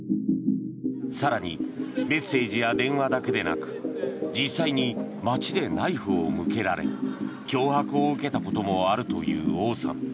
更にメッセージや電話だけでなく実際に街でナイフを向けられ脅迫を受けたこともあるというオウさん。